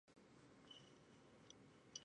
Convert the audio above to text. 毛绞股蓝为葫芦科绞股蓝属下的一个种。